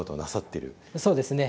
そうですね。